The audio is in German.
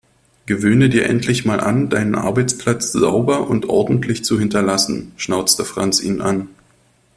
Gewöhne dir endlich mal an, deinen Arbeitsplatz sauber und ordentlich zu hinterlassen, schnauzte Franz ihn an.